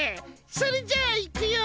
それじゃあ行くよ。